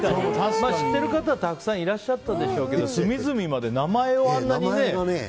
知ってる方はたくさんいらっしゃったけど隅々まで名前をあんなにね。